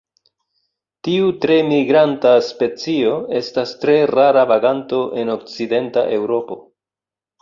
Tiu tre migranta specio estas tre rara vaganto en okcidenta Eŭropo.